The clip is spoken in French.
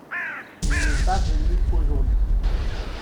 Il n’est pas venu aujourd’hui.